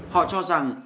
họ cho rằng